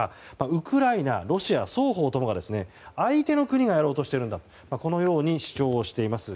ウクライナ、ロシア双方共が相手の国がやろうとしているんだとこのように主張をしています。